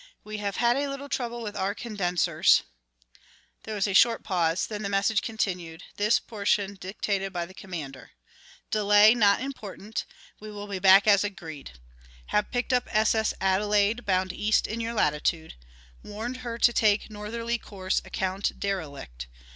"We have had a little trouble with our condensers " There was a short pause, then the message continued, this portion dictated by the commander. "Delay not important. We will be back as agreed. Have picked up S. S. Adelaide bound east in your latitude. Warned her to take northerly course account derelict.